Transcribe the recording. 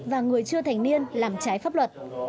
và người chưa thành niên làm trái pháp luật